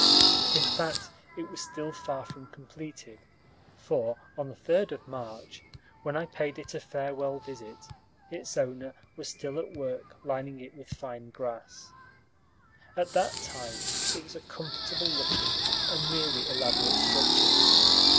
In fact, it was still far from completed; for on the 3d of March, when I paid it a farewell visit, its owner was still at work lining it with fine grass. At that time it was a comfortable looking and really elaborate structure.